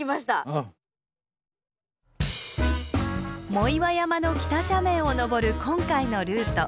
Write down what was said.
藻岩山の北斜面を登る今回のルート。